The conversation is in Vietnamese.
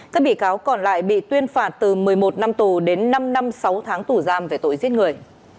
các bị cáo còn lại bị tuyên phạt từ một mươi một năm tù đến năm năm sáu tháng tù giam về tội giết người